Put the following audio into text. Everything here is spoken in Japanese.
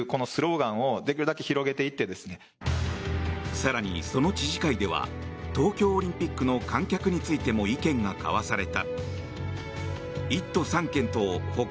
更に、その知事会では東京オリンピックの観客についても意見が交わされた。